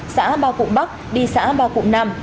xã ba cụ bắc đi xã ba cụ nam